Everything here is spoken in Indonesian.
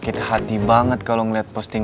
ih emang kenapa sih